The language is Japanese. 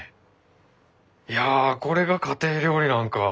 いやこれが家庭料理なんか。